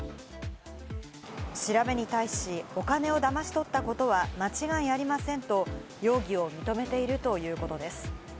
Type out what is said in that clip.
調べに対し、お金をだまし取ったことは間違いありませんと容疑を認めているということです。